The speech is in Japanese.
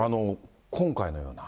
今回のような。